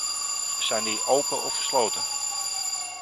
Zijn die open of gesloten?